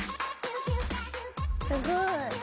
すごい。